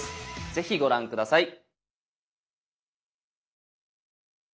是非ご覧下さい。